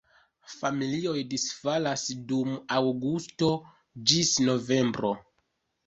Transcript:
Familioj disfalas dum aŭgusto ĝis novembro.